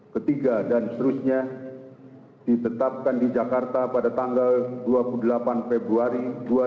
ketiga dan seterusnya ditetapkan di jakarta pada tanggal dua puluh delapan februari dua ribu dua puluh